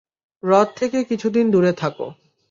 হ্রদ থেকে কিছুদিন দূরে থাকো।